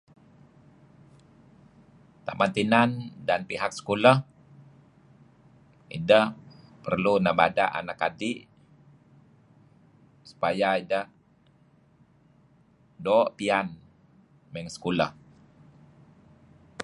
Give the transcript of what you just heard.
Taman tinan dan pihk sekolah ideh perlu nebada' anak adi' supaya ideh doo' piyan may ngen sekolah.